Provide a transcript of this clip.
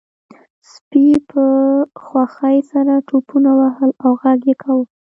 سپي په خوښۍ سره ټوپونه وهل او غږ یې کاوه